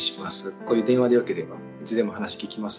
こういう電話でよければいつでも話聞きます